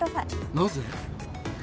なぜ？